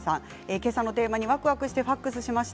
今朝のテーマにわくわくしてファックスしました。